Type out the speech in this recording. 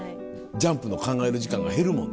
ジャンプの考える時間が減るもんね。